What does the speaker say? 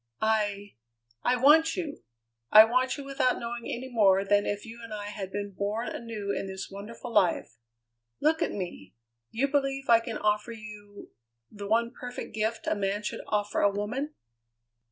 "I I want you! I want you without knowing any more than if you and I had been born anew in this wonderful life. Look at me! You believe I can offer you the one perfect gift a man should offer a woman?"